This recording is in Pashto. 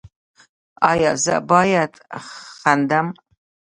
ایا زه باید خندم؟